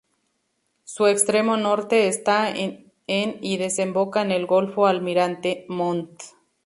Su extremo norte está en y desemboca en el golfo Almirante Montt.